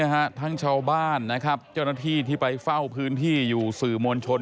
ทั้งชาวบ้านนะครับเจ้าหน้าที่ที่ไปเฝ้าพื้นที่อยู่สื่อมวลชน